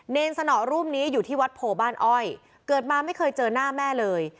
สนอรูปนี้อยู่ที่วัดโพบ้านอ้อยเกิดมาไม่เคยเจอหน้าแม่เลย